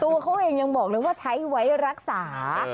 ตัวเขาเองยังบอกเลยว่าใช้ไว้รักษา